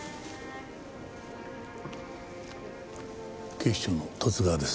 警視庁の十津川です。